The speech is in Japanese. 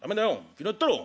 昨日やったろ」。